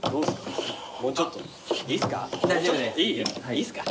いいっすか？